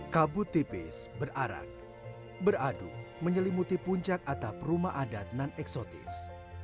kabut tipis berarak beradu menyelimuti puncak atap rumah adat non eksotis